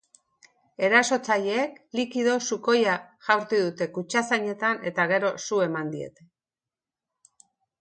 Erasotzaileek likido sukoia jaurti dute kutxazainetan eta gero su eman diete.